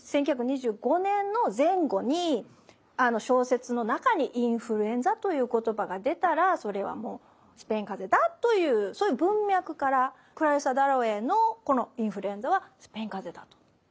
１９２５年の前後に小説の中にインフルエンザという言葉が出たらそれはもうスペインかぜだというそういう文脈からクラリッサ・ダロウェイのこのインフルエンザはスペインかぜだと。